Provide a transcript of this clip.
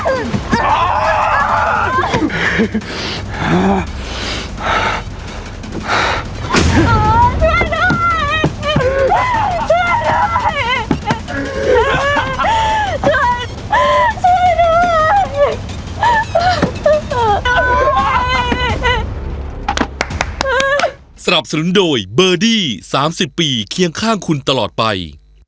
สนับสนุนโดยเบอร์ดี้๓๐ปีเคียงข้างคุณตลอดไป